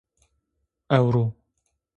Ewro